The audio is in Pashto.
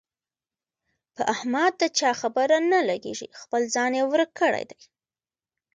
په احمد د چا خبره نه لګېږي، خپل ځان یې ورک کړی دی.